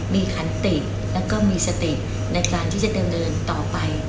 มีขันติแล้วก็มีสติในการที่จะดำเนินต่อไป